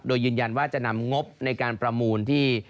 โดยยืนยันว่าจะนำงบในการประมูลที่